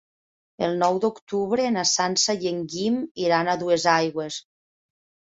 El nou d'octubre na Sança i en Guim iran a Duesaigües.